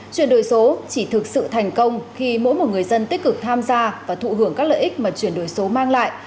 chuyển đổi số chỉ thực sự thành công khi mỗi một người dân tích cực tham gia và thụ hưởng các lợi ích mà chuyển đổi số mang lại